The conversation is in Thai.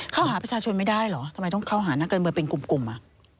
เข้าหาประชาชนไม่ได้เหรอทำไมต้องเข้าหานักการเมืองเป็นกลุ่มอ่ะ